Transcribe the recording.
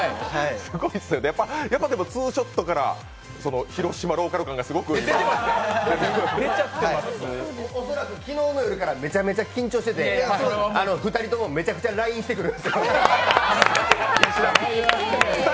やっぱりツーショットから広島ローカル感がすごく今恐らく昨日の夜からめちゃくちゃ緊張してて、２人ともめちゃくちゃＬＩＮＥしてくるんですよ。